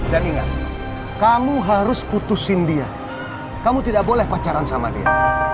dan ingat kamu harus putusin dia kamu tidak boleh pacaran sama dia